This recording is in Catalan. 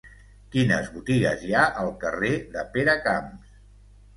Quines botigues hi ha al carrer de Peracamps?